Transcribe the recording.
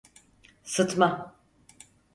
Sıtma!